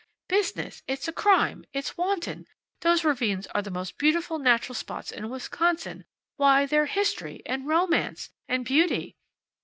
"Business! It's a crime! It's wanton! Those ravines are the most beautiful natural spots in Wisconsin. Why, they're history, and romance, and beauty!"